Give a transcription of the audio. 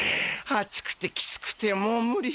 暑くてきつくてもうむり。